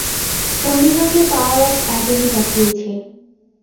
সঙ্গে সঙ্গেই power of attorney পাঠিয়েছে।